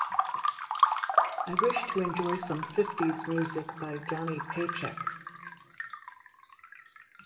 I wish to enjoy some fifties music by Johnny Paycheck.